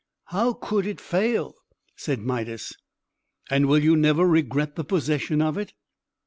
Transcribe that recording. "How could it fail?" said Midas. "And will you never regret the possession of it?"